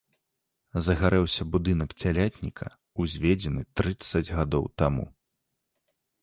Загарэўся будынак цялятніка, узведзены трыццаць гадоў таму.